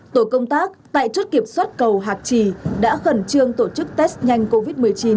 tổ công tác tại chốt kiểm soát cầu hạc trì đã khẩn trương tổ chức test nhanh covid một mươi chín